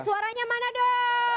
suaranya mana dong